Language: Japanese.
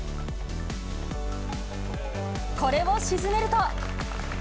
これを沈めると。